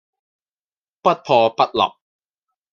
不破不立